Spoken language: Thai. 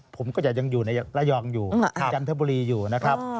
ผมก็จะยังอยู่ในระยองอยู่จันทบุรีอยู่นะครับ